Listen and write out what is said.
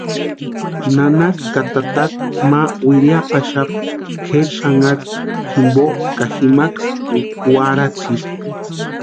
Nanaka ka tataka ma wiriapaxapti kʼeri xanharu jimpo ka jimkasï kwarhatsispti.